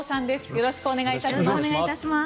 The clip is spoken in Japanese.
よろしくお願いします。